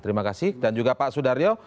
terima kasih dan juga pak sudaryo